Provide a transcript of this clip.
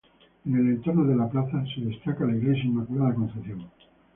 En el entorno de la plaza se destaca la Iglesia Inmaculada Concepción.